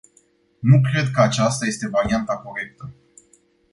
Nu cred că acesta este varianta corectă.